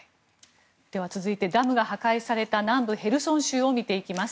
では、続いてダムが破壊された南部ヘルソン州を見ていきます。